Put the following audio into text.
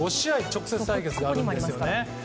直接対決があるんですよね。